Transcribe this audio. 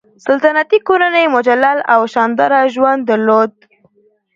سلطنتي کورنۍ مجلل او شانداره ژوند درلود.